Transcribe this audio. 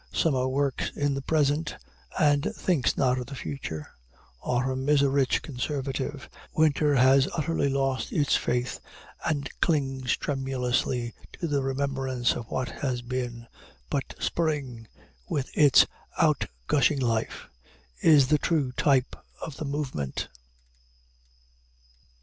Summer works in the present and thinks not of the future; autumn is a rich conservative; winter has utterly lost its faith, and clings tremulously to the remembrance of what has been; but spring, with its outgushing life, is the true type of the movement.